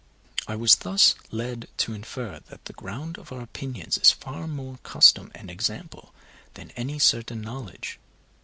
I was thus led to infer that the ground of our opinions is far more custom and example than any certain knowledge.